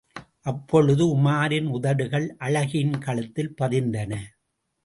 அப்பொழுது உமாரின் உதடுகள் அழகியின் கழுத்தில் பதிந்தன.